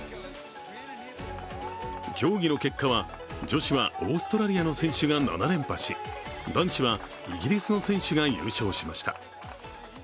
競技の結果は、女子はオーストラリアの選手が７連覇し男子はイギリスの選手が優勝しました。